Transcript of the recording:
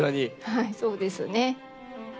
はいそうですね。